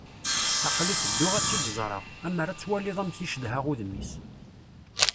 Aql-i tedduɣ ad tt-id-ẓreɣ. Ammer ad twaliḍ amek i cedhaɣ udem-is.